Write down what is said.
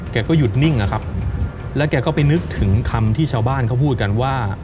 หยุดนิ่งอะครับแล้วแกก็ไปนึกถึงคำที่ชาวบ้านเขาพูดกันว่า